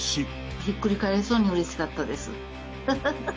ひっくり返りそうにうれしかったです。